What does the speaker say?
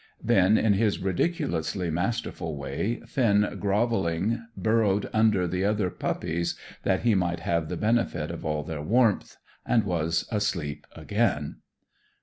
Then, in his ridiculously masterful way, Finn grovellingly burrowed under the other puppies, that he might have the benefit of all their warmth, and was asleep again.